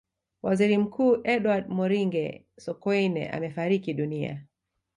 waziri mkuu edward moringe sokoine amefariki dunia